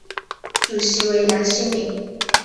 主席为杨新民。